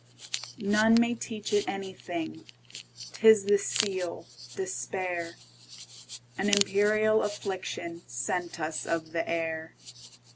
None may teach it anything,'T is the seal, despair,—An imperial afflictionSent us of the air.